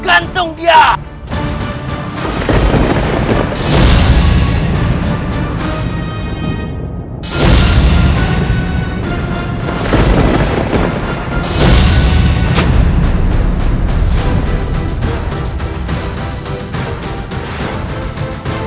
apa yang kamu lakukan